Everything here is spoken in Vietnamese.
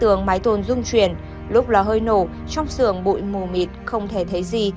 trong mái tôn dung chuyển lúc lò hơi nổ trong sường bụi mù mịt không thể thấy gì